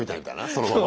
そのまま。